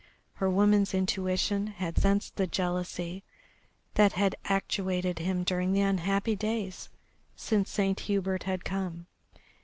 Her woman's intuition had sensed the jealousy that had actuated him during the unhappy days since Saint Hubert had come.